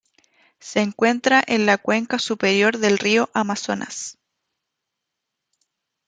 Se encuentra en la cuenca superior del río Amazonas.